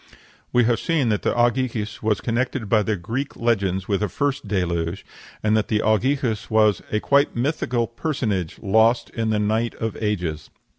We have seen that Ogyges was connected by the Greek legends with a first deluge, and that Ogyges was "a quite mythical personage, lost in the night of ages."